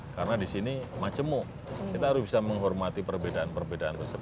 karena disini macemuk kita harus bisa menghormati perbedaan perbedaan tersebut